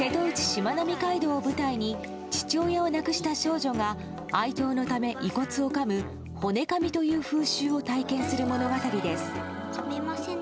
しまなみ海道を舞台に父親を亡くした少女が愛情のため遺骨をかむ、骨かみという風習を体験する物語です。